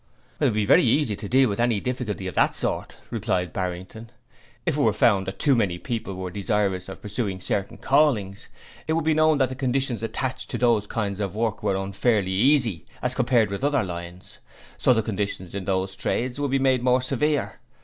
'It would be very easy to deal with any difficulty of that sort,' replied Barrington, 'if it were found that too many people were desirous of pursuing certain callings, it would be known that the conditions attached to those kinds of work were unfairly easy, as compared with other lines, so the conditions in those trades would be made more severe.